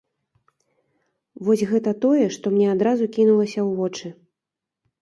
Вось гэта тое, што мне адразу кінулася ў вочы.